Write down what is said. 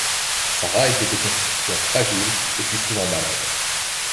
Sara était de constitution fragile et fut souvent malade.